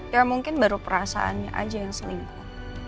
ya mungkin baru perasaannya aja yang seminggu